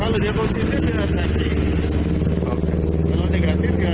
kalau negatif dia acak